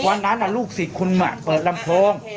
วันนั้นลูกศิษย์คุณเปิดลำโพง